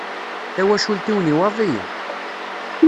Tawacult-iw n Iwaḍiyen.